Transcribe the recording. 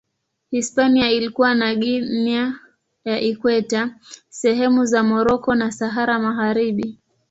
Hispania ilikuwa na Guinea ya Ikweta, sehemu za Moroko na Sahara Magharibi.